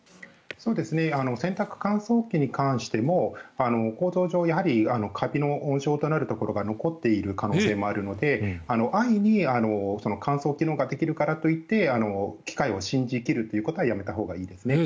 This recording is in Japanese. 洗濯乾燥機に関しても構造上、カビの温床となるものが残っている可能性もあるので安易に乾燥機能ができるからといって機械を信じ切ることはやめたほうがいいです。